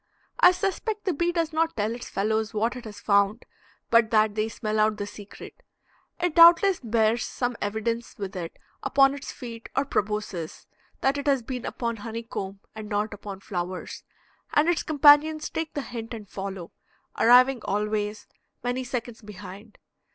I suspect the bee does not tell its fellows what it has found, but that they smell out the secret; it doubtless bears some evidence with it upon its feet or proboscis that it has been upon honey comb and not upon flowers, and its companions take the hint and follow, arriving always many seconds behind.